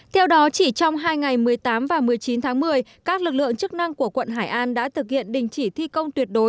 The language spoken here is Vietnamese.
theo đó chỉ trong hai ngày một mươi tám và một mươi chín tháng một mươi các lực lượng chức năng của quận hải an đã thực hiện đình chỉ thi công tuyệt đối